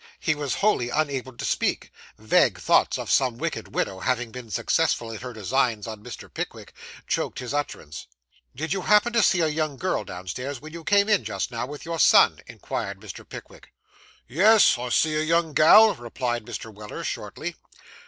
He was wholly unable to speak; vague thoughts of some wicked widow having been successful in her designs on Mr. Pickwick, choked his utterance. 'Did you happen to see a young girl downstairs when you came in just now with your son?' inquired Mr. Pickwick. 'Yes. I see a young gal,' replied Mr. Weller shortly.